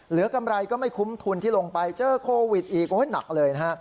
กำไรก็ไม่คุ้มทุนที่ลงไปเจอโควิดอีกโอ้ยหนักเลยนะฮะ